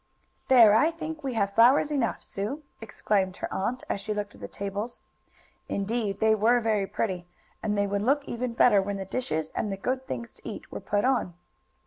"There, I think we have flowers enough, Sue!" exclaimed her aunt, as she looked at the tables. Indeed they were very pretty, and they would look even better when the dishes, and the good things to eat, were put on.